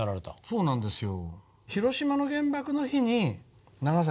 そうなんですよ。